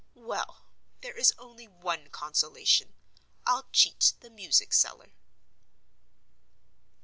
Well! there is only one consolation: I'll cheat the music seller.